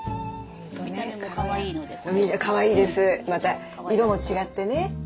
また色も違ってね。